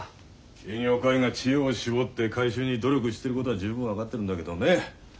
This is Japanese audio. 営業課員が知恵を絞って回収に努力してることは十分分かってるんだけどねえ。